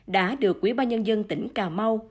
đã được quỹ ba nhân dân tỉnh cà mau